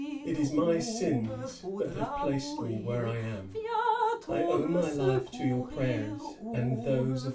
It is my sins that have placed me where I am. I owe my life to your prayers, and those of M.